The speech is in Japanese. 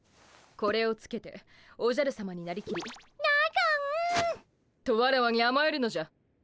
これをつけておじゃるさまになりきり「なごん」とワラワにあまえるのじゃ。